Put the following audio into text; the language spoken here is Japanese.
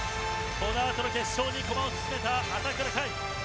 このあとの決勝に駒を進めた朝倉海。